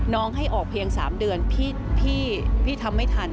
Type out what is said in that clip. ให้ออกเพียง๓เดือนพี่ทำไม่ทัน